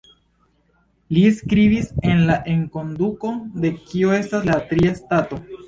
Li skribis en la enkonduko de "Kio estas la Tria Stato?